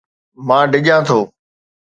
مان ڊڄان ٿو